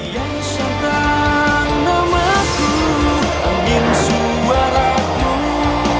yang santang namaku angin suaraku